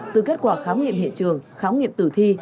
từ kết quả khám nghiệm hiện trường khám nghiệm tử thi